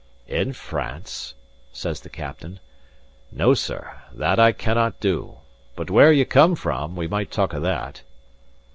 "In France?" says the captain. "No, sir; that I cannot do. But where ye come from we might talk of that."